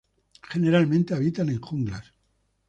Generalmente habitan en junglas.